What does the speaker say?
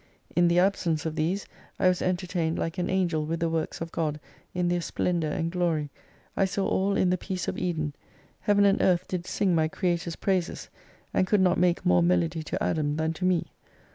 In the absence of these I was entertained like an Angel with the works of God in their splendour and glory, I saw all in the peace of Eden ; Heaven and Earth did sing my Creator's praises, and could not make more melody to Adam, than to me.